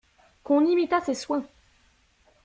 Qu'on imitât ces soins.